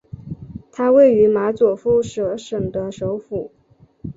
它位于马佐夫舍省的首府。